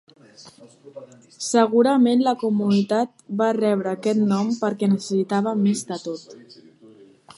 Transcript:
Segurament la comunitat va rebre aquest nom perquè necessitava més de tot.